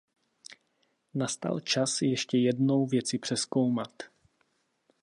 Nastal čas ještě jednou věci přezkoumat.